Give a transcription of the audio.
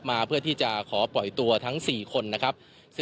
เพื่อที่จะขอปล่อยตัวทั้ง๔คนนะครับ